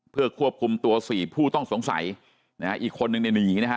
เพื่อควบคุมตัว๔ผู้ต้องสงสัยนะฮะอีกคนหนึ่งในนี้นะฮะ